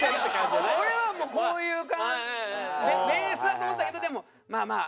俺はもうこういうベースだと思ったけどでもまあまあ。